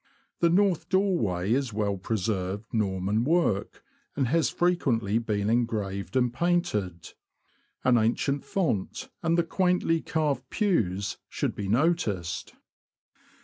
The north doorway is well preserved Norman work, and has frequently been engraved and painted. An ancient font, and the quaintly carved pews, should be noticed.